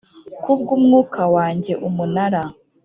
ku bw umwuka wanjye Umunara